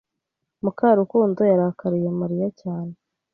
Mukarukundo yarakariye Mariya cyane.